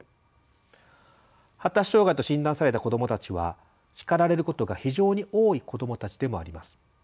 発達障害と診断された子どもたちは叱られることが非常に多い子どもたちでもあります。